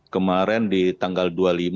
kemarin di tanggal dua puluh lima